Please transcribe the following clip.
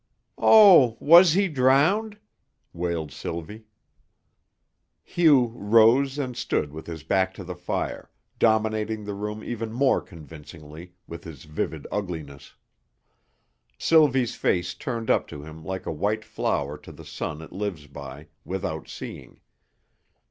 "Oh, was he drowned?" wailed Sylvie. Hugh rose and stood with his back to the fire, dominating the room even more convincingly, with his vivid ugliness. Sylvie's face turned up to him like a white flower to the sun it lives by, without seeing.